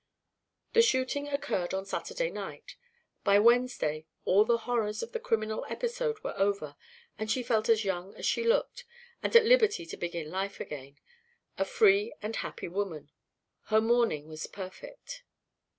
The shooting occurred on Saturday night. By Wednesday all the horrors of the criminal episode were over and she felt as young as she looked, and at liberty to begin life again, a free and happy woman. Her mourning was perfect.